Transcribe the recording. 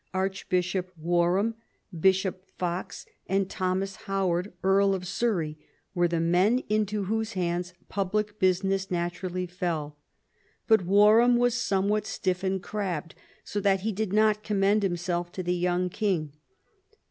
Archbishop Warham, Bishop Fox, and Thomas Howard, Earl of Surrey, were the men into whose hands public business naturally fell. But Warham was somewhat stiff and crabbed, so that he did not commend himself to the young king.